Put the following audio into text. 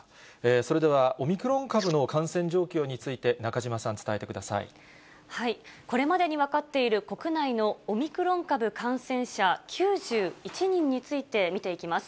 それでは、オミクロン株の感染状況について、中島さん、伝えてくこれまでに分かっている、国内のオミクロン株感染者、９１人について見ていきます。